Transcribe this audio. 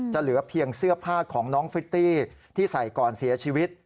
เหลือเพียงเสื้อผ้าของน้องฟิตตี้ที่ใส่ก่อนเสียชีวิต